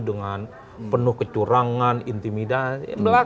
dengan penuh kecurangan intimidasi